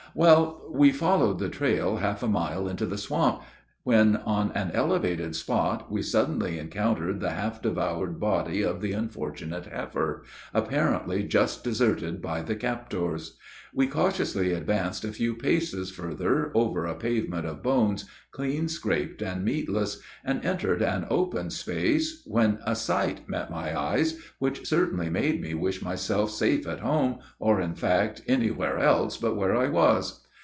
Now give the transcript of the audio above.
Well, we followed the trail half a mile into the swamp, when on an elevated spot, we suddenly encountered the half devoured body of the unfortunate heifer, apparently just deserted by the captors. We cautiously advanced a few paces further over a pavement of bones, "clean scraped and meatless," and entered an open space, when a sight met my eyes which certainly made me wish myself safe at home, or in fact, anywhere else but where I was.